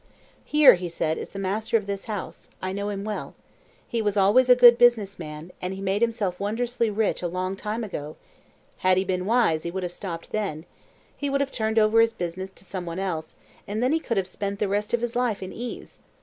"Here," said he, "is the master of this house I know him well. He was always a good business man, and he made himself wondrously rich a long time ago. Had he been wise he would have stopped then. He would have turned over his business to some one else, and then he could have spent the rest of his life in ease.